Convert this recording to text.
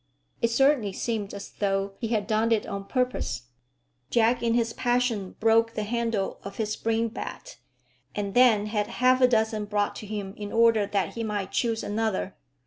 It certainly seemed as though he had done it on purpose. Jack in his passion broke the handle of his spring bat, and then had half a dozen brought to him in order that he might choose another.